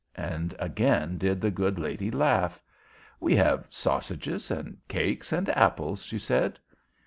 and again did the good lady laugh. "We have sausages and cake and apples," she said.